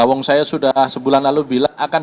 awang saya sudah sebulan lalu bilang